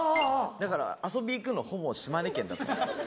だから遊び行くのほぼ島根県だったんですよ。